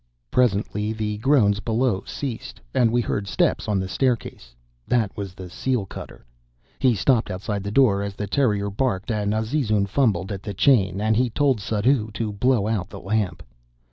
Presently, the groans below ceased, and we heard steps on the staircase. That was the seal cutter. He stopped outside the door as the terrier barked and Azizun fumbled at the chain, and he told Suddhoo to blow out the lamp.